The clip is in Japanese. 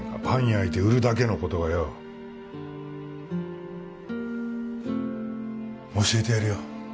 パン焼いて売るだけのことがよ教えてやるよ